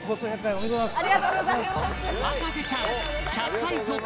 ありがとうございます。